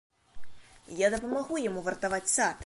Я дапамагу яму вартаваць сад.